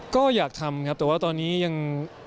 ก็อยากทำครับแต่ว่าตอนนี้ยัง